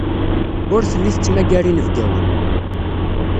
Ur telli tettmagar inebgawen.